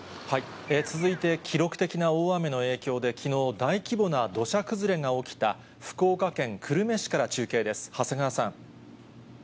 続いて、記録的な大雨の影響できのう、大規模な土砂崩れが起きた福岡県久留米市から中継です。